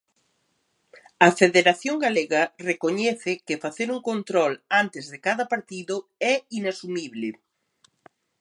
A Federación Galega recoñece que facer un control antes de cada partido é inasumible.